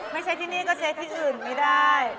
ไม่ใช่ที่นี่ก็ใช้ที่อื่นไม่ได้